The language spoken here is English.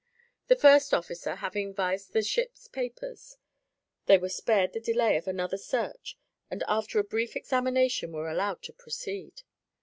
The first officer having vised the ship's papers, they were spared the delay of another search and after a brief examination were allowed to proceed.